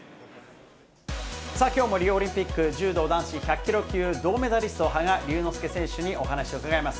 きょうもリオオリンピック柔道男子１００キロ級銅メダリスト、羽賀龍之介選手にお話を伺います。